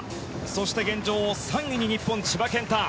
そして、現状３位に日本の千葉健太。